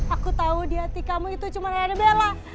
aku tahu di hati kamu itu cuma raya dari bella